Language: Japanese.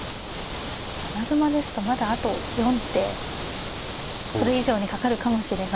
穴熊ですとまだあと４手それ以上にかかるかもしれないわけですもんね。